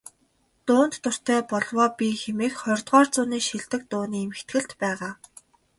"Дуунд дуртай болов оо би" хэмээх ХХ зууны шилдэг дууны эмхэтгэлд байгаа.